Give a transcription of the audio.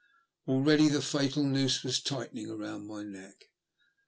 Already the fatal noose was tight ening round my neck.